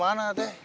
di mana teh